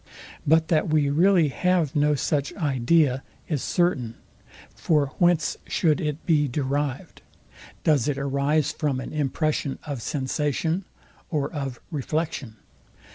But that we really have no such idea, is certain. For whence should it be derived? Does it arise from an impression of sensation or of reflection?